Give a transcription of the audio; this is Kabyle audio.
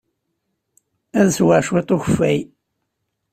Ad sweɣ cwiṭ n ukeffay.